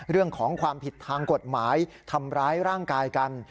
เรื่องของความผิดทางกฎหมายทำร้ายร่างกายกัน